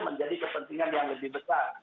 menjadi kepentingan yang lebih besar